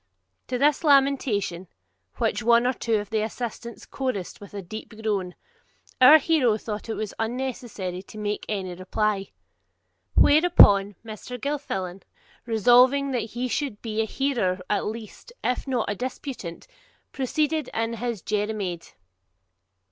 To this lamentation, which one or two of the assistants chorussed with a deep groan, our hero thought it unnecessary to make any reply. Whereupon Mr. Gilfillan, resolving that he should be a hearer at least, if not a disputant, proceeded in his Jeremiade.